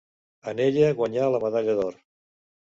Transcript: En ella guanyà la medalla d'or.